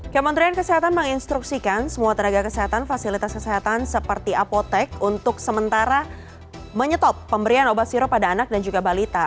kementerian kesehatan menginstruksikan semua tenaga kesehatan fasilitas kesehatan seperti apotek untuk sementara menyetop pemberian obat sirup pada anak dan juga balita